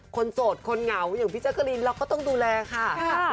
คนโสดคนเหงาอย่างพี่ไม้พี่กะลีนต้องดูแลครับ